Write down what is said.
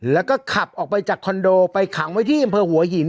แล้วก็ขับออกไปจากคอนโดไปขังไว้ที่อำเภอหัวหิน